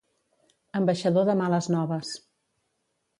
Ambaixador de males noves.